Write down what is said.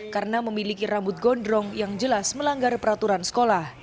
karena memiliki rambut gondrong yang jelas melanggar peraturan sekolah